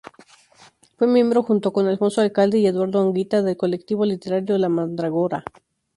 Fue miembro, junto con Alfonso Alcalde y Eduardo Anguita del colectivo literario La Mandrágora.